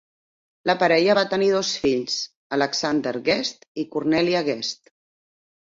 La parella va tenir dos fills, Alexander Guest i Cornelia Guest.